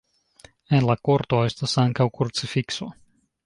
En la korto estas ankaŭ krucifikso.